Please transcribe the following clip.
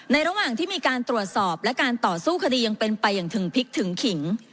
ระหว่างที่มีการตรวจสอบและการต่อสู้คดียังเป็นไปอย่างถึงพลิกถึงขิง